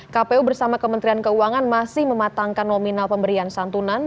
kpu bersama kementerian keuangan masih mematangkan nominal pemberian santunan